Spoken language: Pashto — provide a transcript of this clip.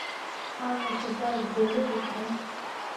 ایا زه باید ګولۍ وخورم؟